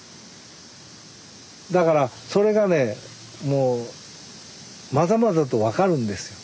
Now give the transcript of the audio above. だからそれがねもうまざまざと分かるんですよ。